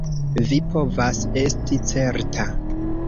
Vi povas esti certa.